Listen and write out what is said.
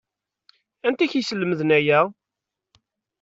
Anti i k-yeslemden aya?